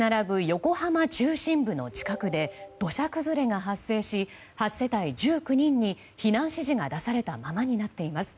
横浜中心部の近くで土砂崩れが発生し８世帯１９人に避難指示が出されたままになっています。